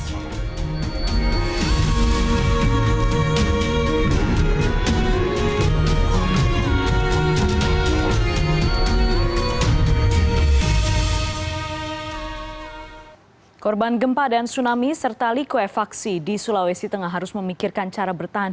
hai korban gempa dan tsunami serta likuefaksi di sulawesi tengah harus memikirkan cara bertahan